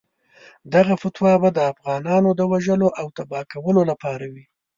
دغه فتوا به د افغانانو د وژلو او تباه کولو لپاره وي.